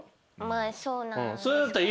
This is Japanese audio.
まあそうなんですかね。